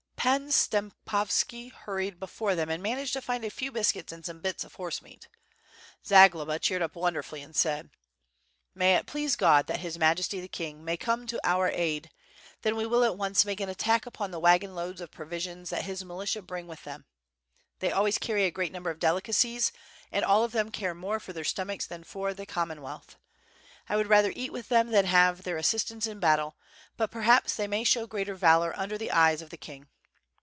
Pan Stempovski hurried be fore them and managed to find a few biscuits and some bits of horse meat. Zagloba cheered up wonderfully and said: "May it please God that His Majesty the King, may come to our aid, then we will at once make an attack upon the wagon loads of provisions that his militia bring with them. They always carry a great number of delicacies, and all of them care more for their stomachs than for the Common wealth. I would rather eat with them than have their as sistance in battle, but perhaps they may show greater valor under the eyes of the king.'